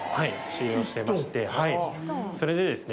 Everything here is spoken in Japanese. はいそれでですね